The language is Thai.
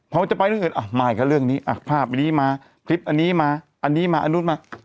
พอจะไปเรื่องอื่นอ่ะมาอีกค่ะเรื่องนี้อ่ะภาพนี้มาคลิปอันนี้มาอันนี้มาอันนู้นมา